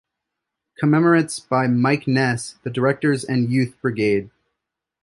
Commentaries by Mike Ness, the directors and Youth Brigade.